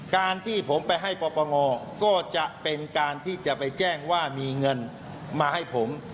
การที่ผมไปให้ปปงก็จะเป็นการที่จะไปแจ้งว่ามีเงินมาให้ผม